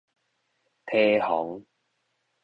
堤防